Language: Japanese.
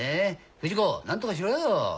不二子何とかしろよ。